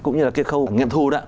cũng như là cái khâu nghiệp thu đó